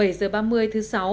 bảy h ba mươi thứ sáu